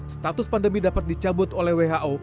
status pandemi dapat dicabut oleh who